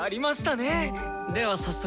では早速。